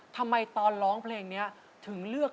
ทำไมตอนร้องเพลงนี้ถึงเลือก